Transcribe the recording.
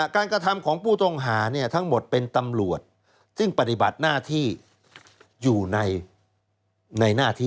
กระทำของผู้ต้องหาทั้งหมดเป็นตำรวจซึ่งปฏิบัติหน้าที่อยู่ในหน้าที่